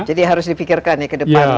jadi harus dipikirkan ya ke depan